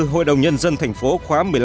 hội đồng nhân dân thành phố khóa một mươi năm